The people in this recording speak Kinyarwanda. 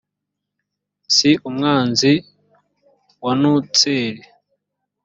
si umwanzi wantutser